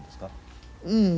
うん。